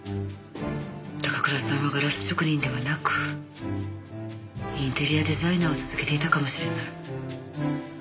高倉さんはガラス職人ではなくインテリアデザイナーを続けていたかもしれない。